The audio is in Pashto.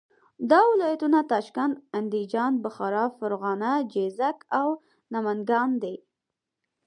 دا ولایتونه تاشکند، اندیجان، بخارا، فرغانه، جیزک او نمنګان دي.